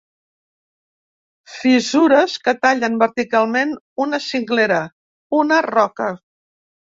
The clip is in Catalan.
Fissures que tallen verticalment una cinglera, una roca.